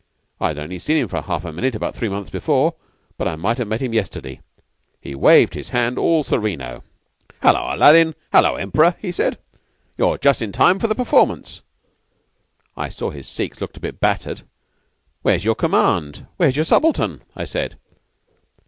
I'd only seen him for half a minute about three months before, but I might have met him yesterday. He waved his hand all sereno. "'Hullo, Aladdin! Hullo, Emperor!' he said. 'You're just in time for the performance.'" "I saw his Sikhs looked a bit battered. 'Where's your command? Where's your subaltern?' I said.